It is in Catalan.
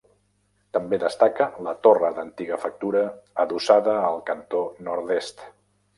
També destaca la torre d'antiga factura adossada al cantó nord-est.